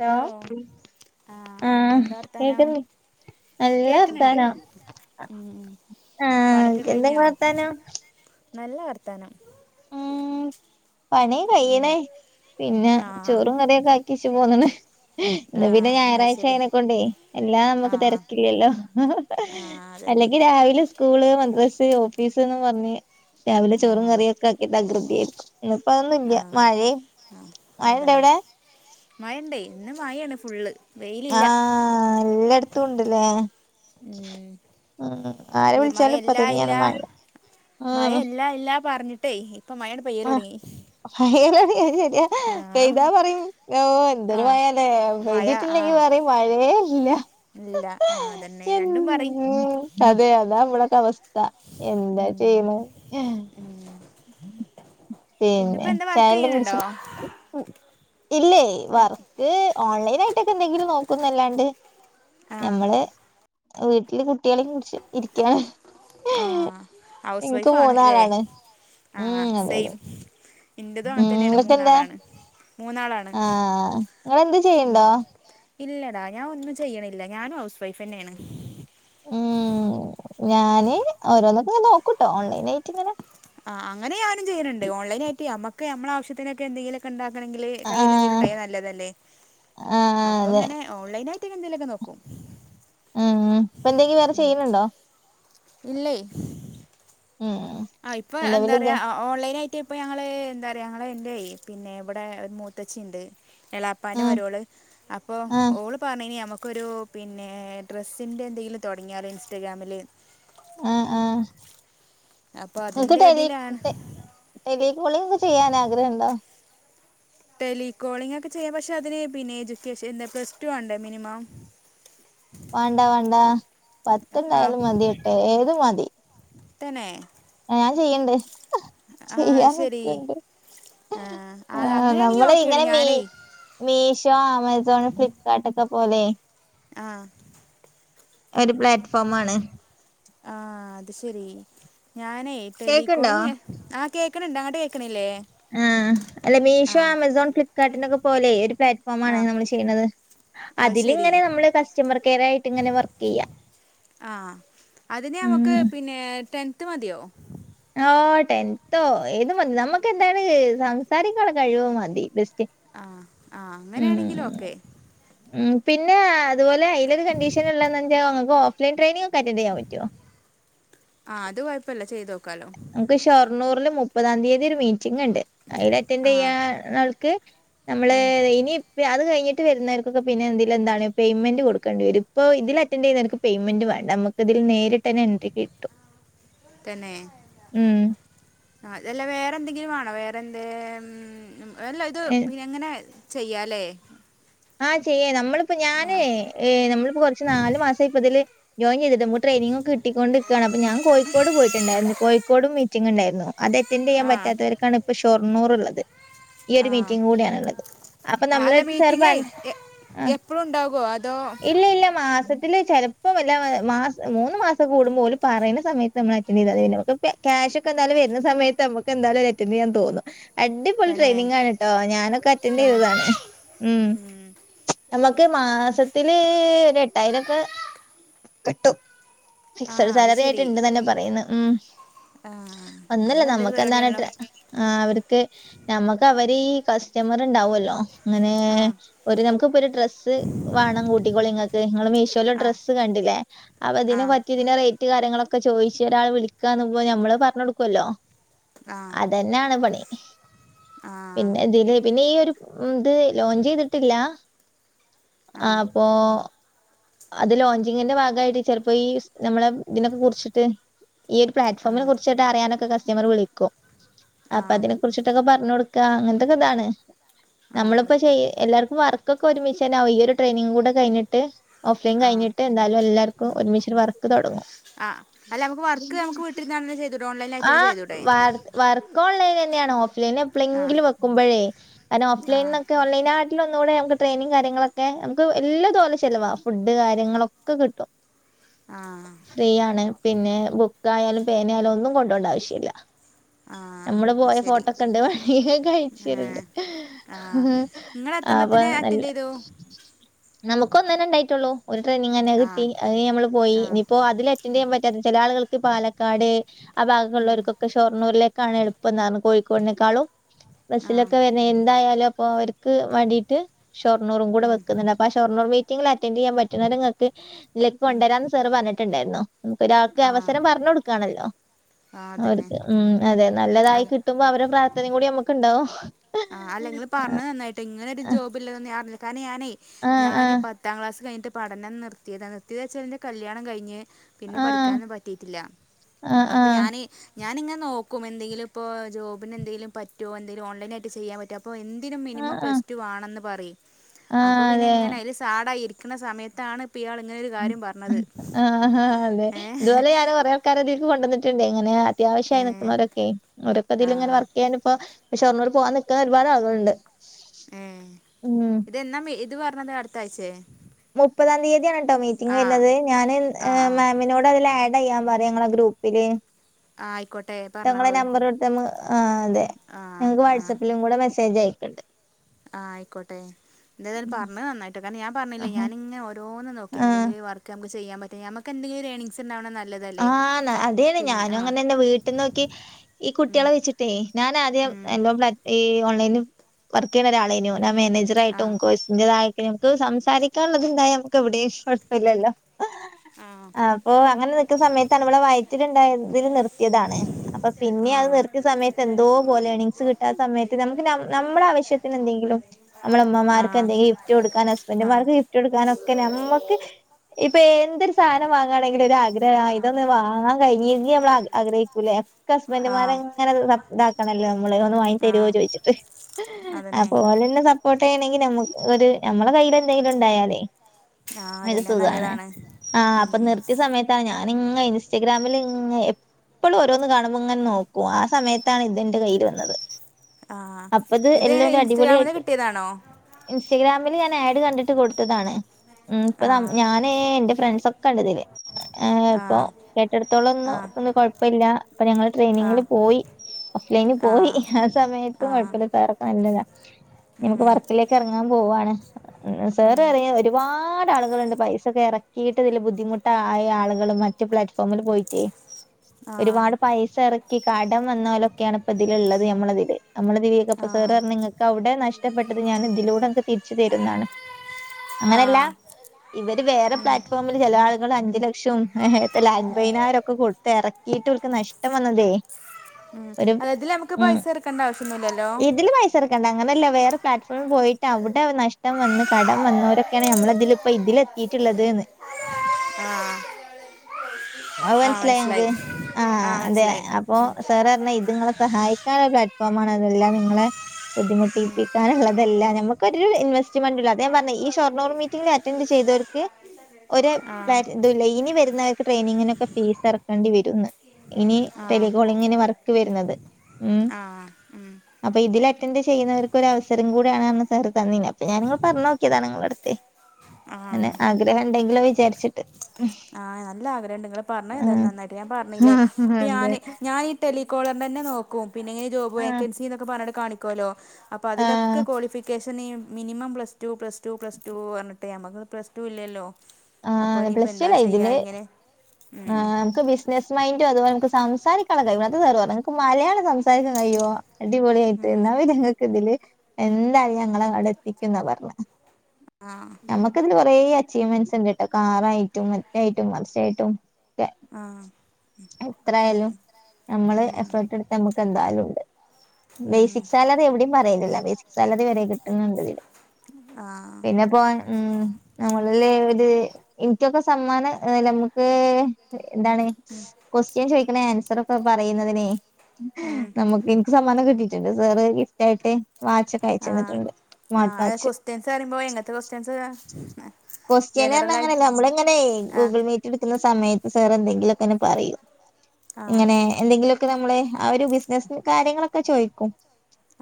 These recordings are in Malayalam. ഹലോ ആഹ് എന്താവർത്താനം നല്ല കേക്കണണ്ട് വർത്താനം ഉം ആഹ് പണിക്ക എന്താ ഇങ്ങളെ കഴിഞ്ഞാ വർത്താനം നല്ല വർത്താനം ഉം പണി ഉം കൈ്യനേ പിന്നെ ആഹ് ചോറും കറിയൊക്കെ ആക്കിച്ച പോന്നണ് ഇന്ന് പിന്നെ ആഹ് അത് ഞായറാഴ്ച ശരി അയനെക്കൊണ്ടേ എല്ലാം നമ്മുക്ക് ആഹ് തിരക്കില്ലല്ലോ ആഹ് അതന്നെ അല്ലെങ്കിൽ രാവിലെ സ്കൂള് മദ്രസ്സ് ഓഫീസ്ന്ന് പറഞ്ഞ് രാവിലെ ചോറും ആഹ് കറിയൊക്കെ ആക്കിയിട്ട് അകൃതി ആയിരിക്കും ഇന്നിപ്പോ അതൊന്നുംല്ല ആഹ് മഴ മഴ ഇണ്ട് എവിടെ മഴ ഇണ്ടേ ഇന്ന് മഴയാണ് ഫുള്ള് വെയിലില്ല ആഹ് എല്ലായിടത്തും ഉണ്ട്ല്ലേ ഉം ഉം ആരെ മഴ വിളിച്ചാലും ഇപ്പ ഇല്ലാ തന്നെയാണ് ഇല്ലാ ഉം മഴ ഇല്ലാ ഇല്ലാ പറഞ്ഞിട്ടേ ഇപ്പ മഴയുടെ പെയ്യൽ തുടങ്ങി അയ ശരിയാ പെയ്താ പറയും ഓ എന്തരു ആഹ് മഴയല്ലേ മഴ പെയ്കില്ലെങ്കിൽ ആഹ് പറയും മഴയ ഇല്ല ഇല്ല ആഹ് അതന്നെ രണ്ടും പറയും എന്ത് അതെ അതാ മ്മളക്ക അവസ്ഥ എന്താ ഉം ചെയ്യണ പിന്നെപ്പോ പിന്നെ എന്താ വർക്ക് ചായ കുടിച്ച ചെയ്യണുണ്ടോ ഇല്ലേ വർക്ക് ഓൺലൈൻ ആയിട്ടൊക്കെ എന്തെങ്കിലും നോക്കുന്നല്ലാണ്ട് ആഹ് ഞമ്മള് വീട്ടില് കുട്ടികളെ കുറിച്ച് ഇരിക്കാണ് ആഹ് ഹൗസ് എനിക്ക് വൈഫ് ആണ് ഇല്ലെ മൂന്നാളാണ് ആഹ് ഉം അതെ അതെ സെയിം എന്റതും ഉം അങ്ങനെ തന്നെയാണ് നിങ്ങക്കെന്താ മൂന്നാളാണ് മൂന്നാളാണ് ആഹ് ഇങ്ങ എന്ത് ചെയ്യണ്ടോ ഇല്ലടാ ഞാൻ ഒന്നും ചെയ്യണില്ല ഞാനും ഹൗസ് വൈഫ് തന്നെയാണ് ഉം ഞാന് ഓരോന്നക്ക നോക്കൂട്ടോ ഓൺലൈന ആയിട്ട് ഇങ്ങനെ ആഹ് അങ്ങനെ ഞാനും ചെയ്യുന്നുണ്ട് ഓൺലൈനിയിട്ട് നമ്മക്ക് നമ്മള ആവശ്യത്തിനക്കെ എന്തെങ്കിലുക്കെ ഉണ്ടാക്കണെങ്കില് കൈെല്ല എന്തേലും ആഹ് ഉണ്ടായാൽ നല്ലതല്ലേ ആഹ് അപ്പൊ അതെ ഇങ്ങനെ ഓൺലൈനായിട്ടൊങ്ങെ എന്തേലുമൊക്കെ നോക്കും ഉം ഇപ്പൊ എന്തെങ്കിലും വേറെ ചെയ്യലുണ്ടോ ഇല്ലേ ഉം ആഹ് ഇപ്പൊ എന്താ നിലവിലിത് പറയാ ഓൺലൈൻ ആയിട്ട് ഇപ്പ ഞങ്ങള് എന്താ പറയാ ഞങ്ങള് എന്റെ പിന്നെ ഇവിടെ മൂത്തച്ചി ഉണ്ട് എളാപ്പന്റെ ഉം മരുമോള് ഒരോള് അപ്പോൾ ആഹ് ഓള് പറഞ്ഞ കഴിഞ്ഞാൽ നമുക്കൊരു പിന്നെ ഡ്രസ്സിൻ്റെ എന്തെങ്കിലും തുടങ്ങിയാലോ ഇൻസ്റ്റഗ്രാമിൽ ആഹ് ആഹ് അപ്പൊ നിങ്ങക്ക് അതിന്റെ ഇതിലാണ് ടെലികാളിങ് ചെയ്യാൻ ആഗ്രഹം ഉണ്ടോ ടെലികോളിംഗ് ഒക്കെ ചെയ്യാം പക്ഷെ അതിന് പിന്നെ എഡ്യൂക്കേഷൻ എന്ത പ്ലസ് റ്റു ആണ്ടേ മിനിമം വേണ്ട വേണ്ട ആ പത്ത്ണ്ടായാലും മതിയട്ടെ ഏഴ് മതി തന്നെ ഞാൻ ചെയ്യണ്ട്, ചെയ്യാൻ നിക്കണ്ട് ആഹ് അത് അങ്ങനെയാണെങ്കി ഓക്കെ ആയാണ് ഇങ്ങനെ മീ ഞാനേ മീഷോ ആമസോൺ ഫ്ലിപ്കാർട്ട് ഒക്കെ പോലെ ആഹ് ഒരു പ്ലാറ്റ്ഫോം ആണ്. ആഹ് അത് ശരി, ഞാനേ കേക്ക്ണ്ടോ ടെലികോളിങ് ആഹ് കേക്കണണ്ട് അങ്ങട്ട് കേൾക്കണില്ലേ? ആഹ് അല്ലെ മീഷോ, ആമസോൺ, ഫ്ലിപ്കാർട്ടിനൊക്കെ പോലെ ഒരു പ്ലാറ്റ്ഫോമാണ് ആഹ് നമ്മൾ ചെയ്യുന്നത്. അത് ശരി അതിലിങ്ങനെ നമ്മള് കസ്റ്റമർ കെയർ ആയിട്ട് ഇങ്ങനെ വർക്ക് ചെയ്യാ, ആഹ്, അതിന് നമുക്ക് ഉം പിന്നെ ടെൻത്ത് മതിയോ? ഓഹ് ടെൻതോ ഏതും മതി, നമുക്ക് എന്താണ് സംസാരിക്കുള്ള കഴിവ് മതി ബസ്റ്റ് ആഹ് ആഹ് അങ്ങനെയാണെങ്കിൽ ഓക്കെ ഉം പിന്നെ അതുപോലെ ഈലൊരു കണ്ടീഷൻള്ളന്നെച്ചാ ഓ ൺ ലൈൻ ട്രയിനിഗ് ഒക്കെ അറ്റൻഡ് ചെയ്യാൻ പറ്റോ? ആഹ് അത് കൊഴപ്പല്ല ചെയ്തു നോക്കാലോ, നമുക്ക് ഷൊർണൂർല് മുപ്പതാം തീയതി ഒരു മീറ്റിംഗ്ണ്ട്. അയിൽ അറ്റൻഡ് ആഹ് ചെയ്യണാൾക്ക് നമ്മള് ഉം ഇനി പ്പൊ അത് കഴിഞ്ഞിട്ട് വരുന്നവർക്കൊക്കെ പിന്നെതില എന്താണ് പേയ്മെൻഡ് കൊടുക്കണ്ടി വരും, ഇപ്പോ ഇതിൽ അറ്റൻറ് ചെയുന്നവർക്ക് പെയ്മന്റ് വേണ്ട നമക്ക് ഇതിൽ നേരിട്ടെന്നെ എൻട്രി കിട്ടും. തന്നേ ഉം ആഹ്, അതല്ല വേറെന്തെങ്കിലും വേണോ വേറെന്തെ അല്ല ഇത് പിന്നങ്ങനെ ചെയ്യാലേ, ആഹ് ചെയ്യാം നമ്മളിപ്പ ഞാനേ ആഹ് ഏ നമ്മളിപ്പോ കുറച്ച് നാല് മാസായി പ്പതില് ജോയിൻ ചെയ്തിട്ട്, മ്ക്ക് ട്രെയിനിങ് ഒക്ക കിട്ടിക്കൊണ്ട്ക്കാണ്. അപ്പ ഞാൻ കോഴിക്കോട് പോയിട്ടുണ്ടായിരുന്നു, കോഴിക്കോടും മീറ്റിങ്ങ് ഉണ്ടായിരുന്നു. അത് അറ്റൻഡ് ചെയ്യാൻ ആഹ് പറ്റാത്തവർക്കാണ് ഇപ്പൊ ഷൊർണൂർള്ളത്. ഈ ഒരു ആഹ് മീറ്റിംഗ് കൂടിയാണുള്ളത്. അപ്പൊ നമ്മളടുത്ത് സാർ പറ എ എപ്പളുംണ്ടാകോ അതോ, ഇല്ല ഇല്ല മാസത്തില് ചെലപ്പം എല്ലാ മാസം മൂന്ന് മാസം കൂടുമ്പോ, ഓല് പറയണ സമയത്ത് നമ്മൾ അറ്റൻഡ് ചെയ്താൽ മതി. പിന്നെ, ക്യാഷ് ഒക്കെ എന്താലും വരുന്ന സമയത്ത് നമുക്ക് എന്തായാലും അറ്റൻഡ് ചെയ്യാൻ തോന്നും, അടിപൊളി തന്നെ ട്രെയിനിങ് ആണ് ട്ടോ ഞാനൊക്കെ അറ്റൻഡ് തന്നെ ചെയ്തതാണ്, ഉം നമ്മക്ക് മാസത്തില് ഒരു എട്ടായിരൊക്ക കിട്ടും. ആ ഫിക്സഡ് അത് സാലറി ശരി ആയിട്ട്ണ്ട്ന്നെന്നാ പറയുന്ന്. ഉം ആ അത് ഒന്നല്ല നല്ലൊരു നമുക്ക് എന്താണ് പരിപാടിയാണല്ലോ ഡ്ര ആഹ് അവർക്ക് നമ്മക്ക് അവര് ഈ കസ്റ്റമർ ഉണ്ടാവല്ലോ ങ്ങനെ ആ ഒരു നമുക്ക് ഇപ്പൊരു ഡ്രസ്സ് വേണം കൂട്ടിക്കോളി ങ്ങക്ക്, നിങ്ങള് മീഷോ ലെ ആ ഡ്രസ്സ് കണ്ടിലെ, ആ അപ്പതിനെ പറ്റി തിന്റെ റേറ്റ് റ്റ് കാര്യങ്ങളൊക്കെ ചോയ്ച്ച് ഒരാൾ വിളിക്കാന്ന്മ്പോ ഞമ്മള് പറഞ്ഞ് കൊടുക്കല്ലോ, ആഹ് അതന്നെയാണ് പണി. പിന്നെ ഇതില് പിന്നെ ഈ ഒരു ഇത് ലോഞ്ച് ചെയ്തിട്ട് ട്ടില്ല, ആ അപ്പോ അത് ലോഞ്ചിങ്ങിന്റെ ഭാഗായിട്ട് ചിലപ്പോ ഈ നമ്മളെ ഇതിനൊക്കെ കുറിച്ചിട്ട് ഈ ഒരു ആ പ്ലാറ്റ്ഫോമിനെ ആ കുറിച്ചിട്ട് അറിയാനൊക്കെ കസ്റ്റമർ വിളിക്കും. അപ്പൊ അതിനെ കുറിച്ചിട്ടൊക്കെ പറഞ്ഞു കൊടുക്കാ അങ്ങനത്തൊക്കെ ഇതാണ്. നമ്മളിപ്പൊ ചെയ്യ എല്ലർക്കും വർക്കൊക്കെ ഒരുമിച്ചേന ഈ ഒരു ട്രെയിനിങ് കൂടെ കഴിഞ്ഞിട്ട്, ഓഫ് ലൈൻ ആ കഴിഞ്ഞിട്ട് എന്താലും എല്ലാർക്കും ഒരുമിച്ച് വർക്ക് തൊടങ്ങും. ആഹ് അല്ല നമക്ക് വർക്ക് നമുക്ക് വീട്ടിന്നന്നെ ചെയ്തൂടെ ഓൺലൈൻ ആ ആയിട്ടെന്നെ ചെയ്തൂടെ? വർ വർക്ക് ഓൺലൈൻ തന്നെയാണ്. ഓഫ് ലൈൻ ആ എപ്പളെങ്കിലും വെക്കുമ്പഴേ, കാരണം ഓഫ് ആ ലൈനിന്നെക്കെ ഓൺലൈന ലൊന്നൂടെ നമുക്ക് ട്രെയിനിഗ് കാര്യങ്ങളൊക്കെ, നമുക്ക് എല്ലാ തോലെ ചെലവാ, ഫുഡ് കാര്യങ്ങളൊക്കെ കിട്ടും. ആ ഫ്രീയാണ്. പിന്നെ ബുക്കായാലും പേന ആയാലും ഒന്നും കൊണ്ടോ വശ്യല്ല ആ നമ്മള് അത് പോയ ശരി ഫോട്ടോക്കെണ്ടെ വയ്യേക ആ അയച്ചെരുണ്ട്. ആ നിങ്ങൾ എത്ര അപ്പ എണ്ണത്തിന് നല്ല, അറ്റൻഡ് ചെയ്തു നമുക്ക് ഒന്നന്നേ ഉണ്ടായിട്ടുള്ളൂ ഒരു ട്രെയിനിങന്നെ ആ കിട്ടി. അതി നമ്മള് പോയി ആ ഇനിയിപ്പോ അതിൽ അറ്റൻഡ് ചെയ്യാൻ പറ്റാത്ത ചില ആളുകൾക്ക് പാലക്കാട്, ആഹ് ഉം, ഭാഗത്തുള്ളവർക്കൊക്കെ ഷൊർണൂരിലേക്കാണ് എളുപ്പംന്ന്പർഞ്ഞ് കോഴിക്കോടിനേക്കാളും, ആ ബസ്സിലൊക്കെ വര്നെ എന്തായാലും അപ്പൊ അവർക്ക് വണ്ടീയിട്ട് ഷൊർണറും കൂടെ ഉം, വെക്ക്ന്ണ്ട് അപ്പ ആ ഷൊർണൂർ മീറ്റിംഗ് അറ്റൻറ് ചെയ്യാൻ പറ്റുന്നുന്നത്ങ്ങൾക്ക് ഇലെക്ക് ഉം, കൊണ്ടരന്ന് സേർ പറഞ്ഞിട്ടുണ്ടായിരുന്നു നമുക്ക് ഒരാൾക്ക് ആ അവസരം പറഞ്ഞു കൊടുക്കാണല്ലോ ആ തന്നെ അവർക്ക് ഉം അതെ നല്ലതായി അല്ല കിട്ടുമ്പോ അവരുടെ പ്രാർത്ഥനയും കൂടി നമ്മുക്ക്ണ്ടാവും ആഹ് അല്ല ഇങ്ങൾ പറഞ്ഞത് നന്നായിട്ടോ ഇങ്ങനൊ ഒരു ജോബ് ഇലതോന്നും ഞാൻ അറിഞ്ഞില്ലട്ടോ കാരണം ഞാനേ ആ ആ ഞാന് ആ പത്ത് എട്ടാംക്ലാസ് കിഞ്ഞിട്ട് പഠനം നിർത്തിയത നിർത്തിയത വച്ചാൽ ന്റെ കല്യാണം കഴഞ്ഞ് പിന്നെ ആ പഠിക്കാനൊന്നും പറ്റീട്ടില്ല ആ അപ്പൊ ആ ഞാന്, ഞാനിങ്ങെ നോക്കും എന്തെങ്കിലും ഇപ്പോ ജോബിനന്തെങ്കിലും പറ്റോ എന്തെലും ഓൺലൈനായിട്ട് ചെയ്യാൻ പറ്റോ പ്പോ എന്തിനും ആ മിനിമം ആ പ്ലസ് ടു വാണന്ന് പറിം അപ്പൊ ആഹ് പിന്നെ അതെ. ഇങ്ങനെ അയ്ല് താട ഇരിക്ക്ണ സമയത്താണ് പയാളങ്ങനത് ഉം ഉം ആഹ് ആഹ് അതെ ഏഹ് ഇതുപോലെ ഞാന് കൊറേ കരണതിക്ക് കൊണ്ടന്നിട്ടുണ്ട് ഇങ്ങനെ അത്യാവശ്യമായി ഏഹ് നിൽക്കുന്നൊരൊക്കെ ഓരക്കെതിൽ ഇങ്ങനെ ആഹ് വർക്ക് ചെയ്യാനിപ്പ ഷോർണൂര് പോവാൻ നിൽക്കുന്ന ഒരുപാട് ആളുകളുണ്ട് ഏഹ് ഉം ഇതന്നാ ഇത് പറഞ്ഞത് അടുത്താഴ്ചേ മുപ്പതാം തീയതിയാണ് കേട്ടോ മീറ്റിംഗ് ആ വരുന്നത് ആ ആ ഞാൻമാമിനോട് അതിൽ ആട് ആഡ്ചെയ്യൻ പറയാ നിങ്ങളെ ഗ്രൂപ്പില് ആഹ് ആയിക്കോട്ടെ പറ ങ്ങളെ നമ്പർ കൊടുത്ത് ആഹ് അതെ ആ ങ്ങക്ക് വാട്സആപ്പിലും കൂടെ മെസ്സേജ് അയക്കണ്ട് ആഹ് ആയിക്കോട്ടെ എന്തായതാലും ങ്ങൾ പറഞ്ഞത് നന്നായിട്ടോ കാരണം ഞാൻ പറഞ്ഞില്ല ഞാനിങ്ങന ഓരോന്ന് നോക്ക ആഹ് എന്തെങ്കിലുംഒരു വർക്ക് നമുക്ക് ചെയാൻ പറ്റ നമക്ക് എന്തങ്കിലും എണിങ്സ്ണ്ടാവണത് നല്ലത് ആഹ് അതെയാണ് ഞാനും അങ്ങനെണ് വീട്ടിനോക്കെ ഈ ഉം കുട്ടികളെ വെച്ചിട്ടേ ഞാനൻ ആദ്യം ഉം നല്ലോ ബ്ല ഈ ഓൺലൈനിൽ വർക്ക് ചെയ്യണ ഒരാളേനു ഞാൻ മാനേജർ ആ ആയിട്ടും കോയ്‌സ് എൻ്റതായ നമക്ക് സംസാരിക്കാനുള്ളത് ഇണ്ടായ നമുക്ക് എവിടെയും കൊയപ്പല്യാലോ ആ ആപ്പൊ അങ്ങനെ നിക്ക സമയത്താണ് ഇവളെ വയറ്റിലുണ്ടായതിൽ നിർത്തിയതാണ് അപ്പൊ പിന്നെ ആ അത് നിർത്തിയ സമയത്ത് എന്തോ പോലെയാണെനിക്ക് കിട്ടാ സമയത്ത് നമുക്ക് നമ്മുടെ ആവശ്യത്തിന് എന്തെങ്കിലും നമ്മുടെ ആ അമ്മമാർക്ക് എന്തെങ്കിലും ഗിഫ്റ്റ് കൊടുക്കാൻ അസ്ബന്റ് ആ മാർക്ക് ഗിഫ്റ്റ് കൊ ടുക്കാനൊക്കെ നമ്മക്ക് ഇപ്പൊ എന്തൊരു സാധനം വാങ്ങാണെങ്കിലും ഒരു ആഗ്രഹ ഇതൊന്ന് വാങ്ങാൻ കഴിഞ്ഞീനെകി നഞമ്മൾ ആഗ്രഹിക്കൂലേ ഒക്കെ ആ അസ്ബന്ഡുമാരെങ്ങനെ ഇതാക്കണല്ലോ നമ്മള് ഒന്ന് വാങ്ങി ആ തരുവോ ചോദിച്ചിട്ട് അതന്നെ അപ്പോ ഓലെന്നെ സപ്പോർട്ട് ചെയ്യണെങ്കി നമ്മക്ക് ഒരു നമ്മളെ കൈൽ എന്തെങ്കിലുണ്ടായാലേയ് ആ ഒരു അതന്നെ സുഖാണ് നല്ലതാണ് ആഹ് അപ്പൊ ഉം നിർത്തിയ സമയത്ത് ഞാനിങ്ങനെ ഇൻസ്റ്റഗ്രാമിൽ ഇങ്ങനെ എപ്പ എപ്പളും ഓരോന്ന്കാണുമുംങ്ങനെ നോക്കും ആ സമയാത്താണ് ഇതിന്റെ കയ്യിൽ വന്നത് ആ അപ്പത് ഇത് എല്ലാംഒരു ഇൻസ്റ്റഗ്രാമിൽ അടിപൊളിയായിട്ട് കിട്ടിയതാണോ ഇൻസ്റ്റഗ്രാമിൽ ഞാൻ ആഡ് കണ്ടിട്ട് കൊടുത്തതാണ് ഉം ഇപ്പ ആ താ ഞാനും എന്റെറെ ഫ്രണ്ട്സ് ഒക്കെ ണ്ട് ഇതിൽ ആ പ്പൊ കേട്ടിടുത്തോളം ഒന്നും ആ ന്നും കുഴപ്പല്ല അപ്പൊ ഞങ്ങള് ട്രെയിനിങ്ങില് ആഹ് പോയി ഓഫ് ലൈനിൽ പോയി ആഹ് ആ സമയത്തും ആഹ് കുഴപ്പില്ല സാറൊക്കെ നല്ലതാണ് ഉം നമക്ക് വർക്കിലെ ഇറങ്ങാൻ പോവാണ് സർ ഉം വരെ ഒരു ഒരുപാട് ആളുകളുണ്ട് പൈസൊക്കെ ഇറക്കിയിട്ട് ഇതില് ബുദ്ധിമുട്ടായി ആളുകൾ മറ്റെ പ്ലാറ്റ്ഫോമിൽ പോയിട്ട് ആഹ് ഒരുപാട് പൈസ എറക്കി ക്കി കടം വന്നോലൊക്കെയാണ് ഇപ്പ ഇതിലുള്ളത് നമ്മളതില് നമ്മള്തിക്കെപ്പൊ ആഹ് സാറെ നിങ്ങൾക്കവിടെ നഷ്ടപ്പെട്ടത് ഞാൻ ഇതിലൂടെ അങ് തിരിച്ചു തരുന്നാണ് അങ്ങനെല്ല ആഹ് ഇവര് വേറെ പ്ലാറ്റ്ഫോം മ്ല് ചില ആളുകൾ അഞ്ചു ലക്ഷം എഹ് എത്ത ലെ അമ്പതിനായിരം ക്കെ കൊടുത്ത് ഇറക്കിയിട്ട് അവർക്ക് നഷ്ടം വന്നതേ ഉം ഒരു അതായതില് നമുക്ക് പൈസ എറക്കേണ്ട ആവശ്യന്നില്ലല്ലോ സർക്കണ്ടാ അങ്ങനല്ലേ വേറെ പ്ലാറ്റ്ഫോമിൽ പോയിട്ട് അവിടെ നഷ്ടം വന്ന് കടം വന്നവരൊക്കെണ് നമ്മളതില് ഇപ്പോ ഇതില് ഈറ്റ്ള്ളത് ന്ന് ആഹ് അത് ആഹ് മനസ്സിലായോ നിങ്ങക്ക് മനസ്സിലായി ആഹ് അതെ മനസ്സിലായി അപ്പൊ ഉം സാറ് പറഞ്ഞെ ഇത് നിങ്ങളെ സഹായി [unintelligible] പ്ലാറ്റ്ഫോമാണത് അതെല്ലാതെ നിങ്ങളെ ബുദ്ധിമുട്ടിപ്പിക്കാനുള്ളതല്ലാ ഞമ്മ ക്കരു ഇൻവെസ്റ്റ്മെന്റുല്ല അതാ ഞാൻ പറഞ്ഞ ഈ ഷൊർണ്ണൂർ മീറ്റിംഗിൽ അറ്റൻഡ് ചെയ്തവർക്ക് ഒരു ആഹ് ഇതൂല്ലെ ഇനി വരുന്നാൾക്ക് ട്രെയിനിങ്ങിനൊക്കെ ഫീസ് ഇറക്കേണ്ടി വരുന്ന് ഇനി ആഹ് ടെലികോളിങ്ങിന് വർക്ക് വരുന്നത് ഉം ആഹ് ഉം അപ്പൊ ഇതിൽ അറ്റൻഡ് ചെയ്യുന്നവർക്ക് ഒരു അവസരം കൂടിയാണ്ന്ന് സാറ് തന്നീന് അപ്പൊ ഞാങ്ങ് പറഞ്ഞു നോക്കിയതാണ് നിങ്ങളുടെ അടുത്തെ ആഹ് അങ്ങന ആഗ്രഹം ഇണ്ടെങ്കിലോ വിചാരിച്ചിട്ട് ആഹ് നല്ല ആഗ്രഹം ഇണ്ട് നിങ്ങള് പറഞ്ഞത് എതായാലും ഉം നന്നായിട്ട് ഞാൻ പറഞ്ഞില്ലേ ഇപ്പ അതെ ഞാന് ഞാ ടെലികോളറിൻ്റെ തന്നെ നോക്കും പിന്നെ ഈ ജോബ് ആഹ് വേക്കൻസി ന്നൊക്കെ പറഞ്ഞട്ട് കാണിക്ക ക്കോലോ അപ്പൊ അതിലൊക്കെ ആഹ് കോളിഫിക്കേഷൻ പ്പം നീയും മിനിമം പ്ലസ്ടു പ്ലസ്ടു പ്ലസ്ടു പറഞ്ഞിട്ട് മ്മക്ക് പ്ലസ്ടു ഇല്ലല്ലോ അപ്പൊ ആഹ് ഇനിയിപ്പോ പ്ലസ് ടു എന്താ അല്ലേ ചെയ്യാ ഇതില് ഇങ്ങനെ ഉം ആഹ് നിങ്ങക്ക് നസ്സ് മൈന്റ് അതുപോലെ നമുക്ക് സംസാരിക്കാനുള്ള കഴിവ് [unintelligible] നിങ്ങക്ക് മലയാളം സംസാരിക്കാൻ കയിയോ അടിപൊളിയായിട്ട് ഉം എന്നാ പിന്നെങ്ങക്ക് ഇതില് എന്തായാലും ഞാൻ ങ്ങളെ ആടെ എത്തിക്കുംന്ന പറഞ്ഞെ ആഹ് നമ്മക് നിക്ക് അങ്ങനെ കൊറെേ അച്ചീവ്മെന്റ്സ് ഉണ്ട് ട്ടോ കാറായിട്ടും മറ്റായിട്ടും മാർച്ചയിട്ടും ആഹ് ഉം എത്രായാലും ഞമ്മള് ഉം എഫേർട്ട് എടുത്താ മ്മക്ക് എന്തായാലും ഉണ്ട് ഉം ബേസിക്സാലറി എവിടെയും പറയലില്ല ബേസിക്സാലറി വരെ കിട്ടുന്നുണ്ട് തില് ആഹ് ഉം നമ്മളല്ലേ ഒരു എനിക്കൊക്കെ സമ്മാനം ലെ നമ്മക്ക് എന്താണ് കൊസ്റ്റ്യൻ ചോയ്ക്കണെ ആൻസറൊക്കെ പറയുന്നതിന് ഉം ഞമ്മക്ക് എനിക്ക് സമ്മാനം കിട്ടിയിട്ടുണ്ട് സാറ് ഗിഫ്റ്റ് ആയിട്ട് വാച്ചക്കെ അയച്ചന്നിട്ടുണ്ട് ആയ ക്വസ്റ്റ്യൻസ് പറയിമ്പോ എങ്ങൻത്തെ കൊസ്റ്റ്യൻസ് വര ക്വസ്റ്റ്യന് അർഞങ്ങനല്ല നമ്മളിങ്ങനെയെ ആഹ് ഗൂഗിൾ മീ എടുക്കുന്ന സമയത്ത് സാറെന്തെങ്കിലും ഒക്കെ ഇങ്ങനെ പറയും ആഹ് ഇങ്ങനെ എന്തെങ്കിലുക്കെ നമ്മളെ ആഹ് ഒരു ബിസിനസ് കാര്യങ്ങളൊക്കെ ചോയിക്കും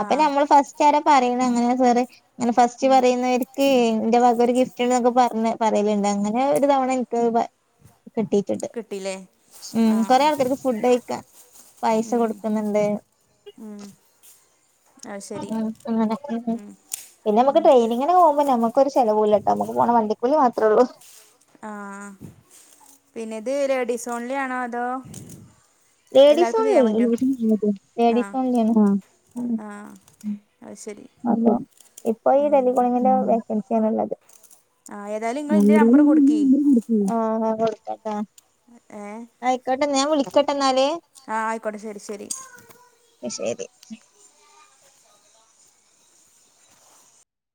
അപ്പൊ ആഹ് ഞമ്മൾ ഫസ്റ്റ് റ്റാരാ പറയുന്ന അങ്ങനെ സാറ് അങ്ങനെ ഫസ്റ്റ് ഉം പറയുന്നവര് ക്ക് എന്റെ വക ഒരു ഗിഫ്റ്റ് ഉണ്ട് ന്നൊക്കെ പറഞ്ഞ് പറയലിണ്ട് അങ്ങനെ ഒരു തവണ എനിക്ക് വകിട്ടി ചിട്ട് കിട്ടില്ലേ ഉം ആഹ് കൊറെേ ആൾക്കാരിക്ക് ഫുഡ് കഴിക്കാൻ പൈസ ഉം കൊടുക്കുന്നിണ്ട് ഉം അത് ഉം ശരി ഉം ഉം പിന്നെ നമുക്ക് ട്രെയിനിങ്ങിനെ പോവുമ്പോ നമ്മ ഒരു ചിലവൂല്ലാട്ടോ നമുക്ക് പോണ വണ്ടിക്കൂലി മാത്രേള്ളൂ ആഹ് പിന്നിത് ലേഡിസോൺലി ആണോ അതോ ലേഡീസ് എല്ലാവർക്കും ചെയ്യാൻ ഒൺലി പറ്റോ ലേഡീസ് ആഹ് ഒൺലി ആണ് അഹ് ശരി [unintelligible] ഇപ്പൊ ഈ ടെലികോളിങ്ങിന്റെ വേക്കൻസിയാണിള്ളത് ആഹ് ഏതായാലും നിങ്ങ ഇന്റെ നമ്പർ കൊടുക്കീ ഉം ആഹ് ഞാൻ കൊടുക്കാട്ടാ ഏഹ് ആയിക്കോട്ടെ, ഞാൻ വിളിക്കാട്ടാ ന്നാല്. ആഹ് ആയിക്കോട്ടെ ശെരി ശെരി. ന്നാ ശരി ഉം.